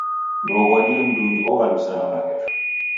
Ndouw'adie mndungi oghalusana maghesho.